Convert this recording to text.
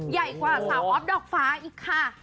ใหญ่กว่าสาวออฟดอกฟ้าอีกค่ะ